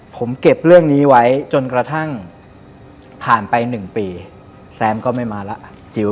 ผมเก็บเรื่องนี้ไว้จนกระทั่งผ่านไป๑ปี